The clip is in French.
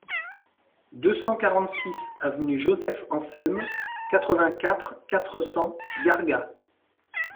deux cent quarante-six avenue Joseph Anselme, quatre-vingt-quatre, quatre cents, Gargas